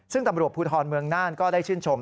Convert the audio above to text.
ซึ่งตำรวจภูทรเมืองน่านก็ได้ชื่นชม